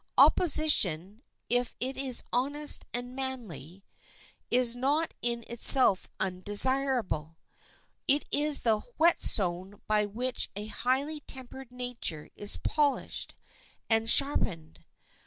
Opposition, if it is honest and manly, is not in itself undesirable. It is the whetstone by which a highly tempered nature is polished and sharpened.